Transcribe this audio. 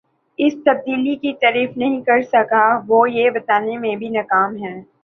اس تبدیلی کی تعریف نہیں کر سکا وہ یہ بتانے میں بھی ناکام ہے